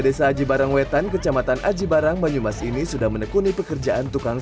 desa aji barangwetan kecamatan aji barang banyumas ini sudah menekuni pekerjaan tukang